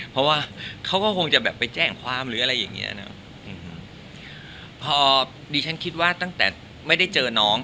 เพราะว่าเขาก็คงจะแบบไปแจ้งความหรืออะไรอย่างเงี้ยนะพอดีฉันคิดว่าตั้งแต่ไม่ได้เจอน้อง